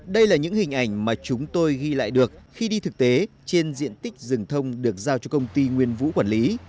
đây là những hình ảnh mà chúng tôi ghi lại được khi đi thực tế trên diện tích rừng thông được giao cho công ty nguyên vũ quản lý